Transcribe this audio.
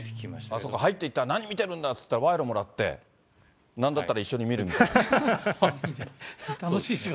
そうか、入っていって、何見てるんだって言ったら、賄賂もらって、なんだったら、一緒に楽しい仕事だ。